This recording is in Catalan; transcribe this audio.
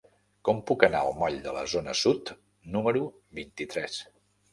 Com puc anar al moll de la Zona Sud número vint-i-tres?